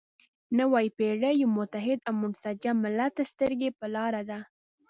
نوې پېړۍ یو متحد او منسجم ملت ته سترګې په لاره ده.